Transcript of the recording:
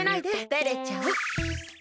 てれちゃう。